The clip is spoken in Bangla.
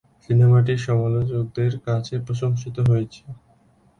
সিনেমাটি সমালোচকদের কাছে প্রশংসিত হয়েছে।